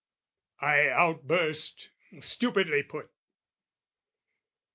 I outburst, Stupidly put!